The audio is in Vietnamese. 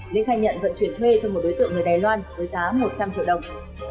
lĩnh khai nhận vận chuyển thuê cho một đối tượng người đài loan với giá một trăm linh triệu đồng